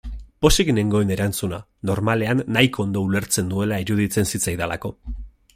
Pozik nengoen erantzuna, normalean, nahiko ondo ulertzen nuela iruditzen zitzaidalako.